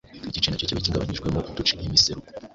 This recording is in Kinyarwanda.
Buri gice na cyo kiba kigabanyijemo uduce (imiseruko)